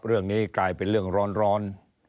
เรื่องนี้กลายเป็นเรื่องร้อน